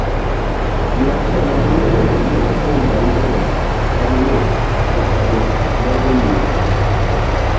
Gimachielo monego ing'e kuom barupego en ni nyaka jok moko yie